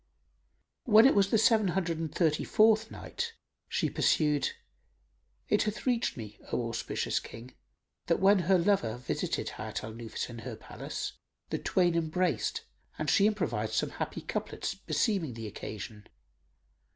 When it was the Seven Hundred and Thirty fourth Night, She pursued, It hath reached me, O auspicious King, that when her lover visited Hayat al Nufus in her palace, the twain embraced and she improvised some happy couplets beseeming the occasion.